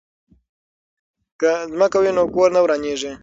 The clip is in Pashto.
که ځمکه وي نو کور نه ورانیږي.